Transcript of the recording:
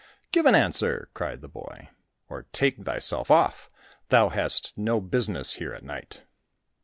"Give an answer," cried the boy, "or take thy self off, thou hast no business here at night."